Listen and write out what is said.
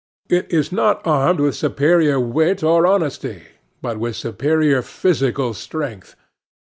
It is not armed with superior wit or honesty, but with superior physical strength.